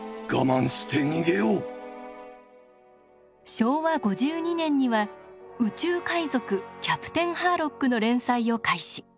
昭和５２年には「宇宙海賊キャプテンハーロック」の連載を開始。